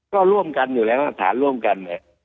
ก็ร่วมกันอยู่แล้วนะฐานร่วมกัน